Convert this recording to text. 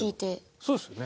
そうですよね。